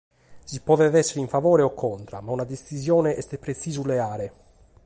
Si podet èssere in favore o contra, ma una detzisione est pretzisu leare.